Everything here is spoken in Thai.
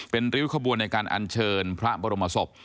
เป็นริ้วขบวนในการอัญเชิญพระบรมศพ